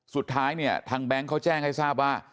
สุดท้ายเนี่ยทางแบงค์เขาแจ้งให้ทราบว่า